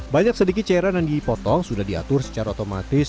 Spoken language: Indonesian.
banyak sedikit cairan yang dipotong sudah diatur secara otomatis